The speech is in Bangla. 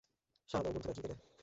সাড়া দাও, বন্ধুরা, কী পেলে?